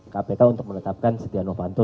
kpk untuk menetapkan setia novanto